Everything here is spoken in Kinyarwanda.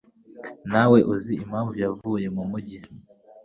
Ntawe uzi impamvu yavuye mu mujyi.